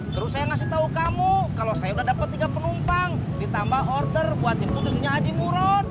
terus saya ngasih tau kamu kalau saya udah dapet tiga penumpang ditambah order buat jemput cucunya haji murot